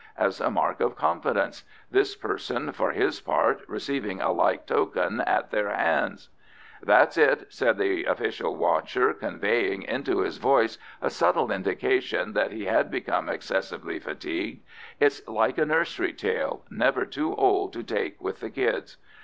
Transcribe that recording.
"As a mark of confidence; this person, for his part, receiving a like token at their hands." "That's it," said the official watcher, conveying into his voice a subtle indication that he had become excessively fatigued. "It's like a nursery tale never too old to take with the kids.